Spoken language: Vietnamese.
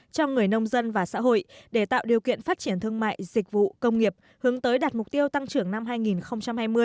cho người nông dân và xã hội để tạo điều kiện phát triển thương mại dịch vụ công nghiệp hướng tới đạt mục tiêu tăng trưởng năm hai nghìn hai mươi